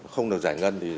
không được giải ngân